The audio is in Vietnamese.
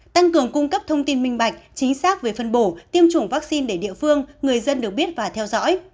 tăng cường cung cấp thông tin minh bạch chính xác về phân bổ tiêm chủng vaccine để địa phương người dân được biết và theo dõi